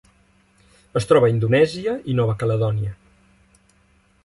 Es troba a Indonèsia i Nova Caledònia.